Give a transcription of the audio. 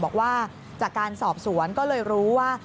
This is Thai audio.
บอกว่าจากการสอบสวนก็เลยรู้ว่า